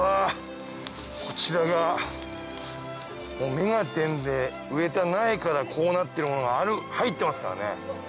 『目がテン！』で植えた苗からこうなってるものが入ってますからね。